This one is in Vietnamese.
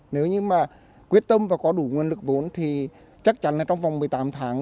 nếu như mà quyết tâm và có đủ nguồn lực vốn thì chắc chắn là trong vòng một mươi tám tháng